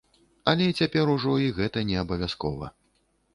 Але цяпер ужо і гэта не абавязкова.